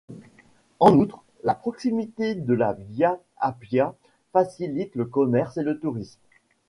En outre, la proximité de la via Appia facilite le commerce et le tourisme.